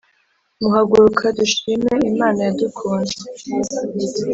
muhaguruka dushime imana yadukunze